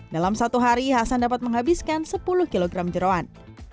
dalam satu hari hasan dapat menghabiskan sepuluh kg jerawan